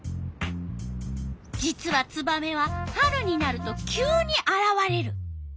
実はツバメは春になると急にあらわれる。